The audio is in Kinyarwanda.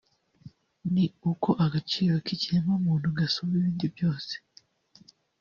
ni uko agaciro k’ikiremwamuntu gasumba ibindi byose”